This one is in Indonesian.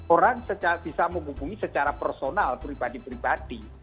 orang bisa menghubungi secara personal pribadi pribadi